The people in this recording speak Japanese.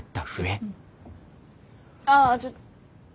ああちょっと。